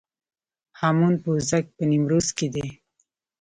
هامون پوزک په نیمروز کې دی